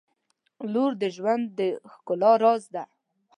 • لور د ژوند د ښکلا راز دی.